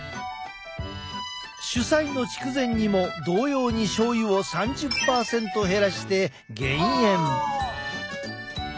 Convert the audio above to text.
主菜の筑前煮も同様にしょうゆを３０％減らして減塩。